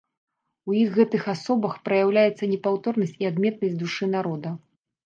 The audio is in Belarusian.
У іх гэтых асобах праяўляецца непаўторнасць і адметнасць душы народа.